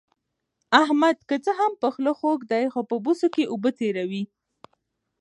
احمد که څه هم په خوله خوږ دی، خو په بوسو کې اوبه تېروي.